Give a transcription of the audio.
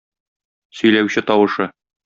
Сөйләүче тавышы.